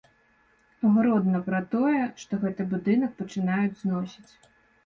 Гродна пра тое, што гэты будынак пачынаюць зносіць.